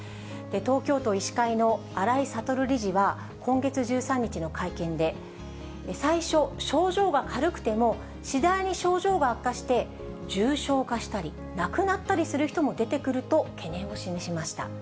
東京都医師会の新井悟理事は、今月１３日の会見で、最初、症状が軽くても、次第に症状が悪化して、重症化したり、亡くなったりする人も出てくると、懸念を示しました。